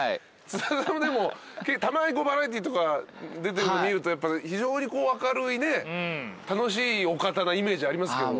津田さんでもたまにバラエティーとか出てるの見ると非常に明るい楽しいお方なイメージありますけど。